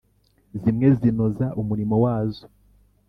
Zimwe zinoza umurimo wazo